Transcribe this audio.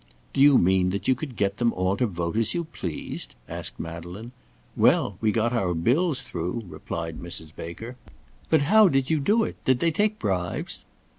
"Do you mean that you could get them all to vote as you pleased?" asked Madeleine. "Well! we got our bills through," replied Mrs. Baker. "But how did you do it? did they take bribes?"